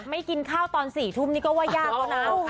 ไม่กินข้าวตอน๔ทุ่มนี่ก็ว่ายากก็นัก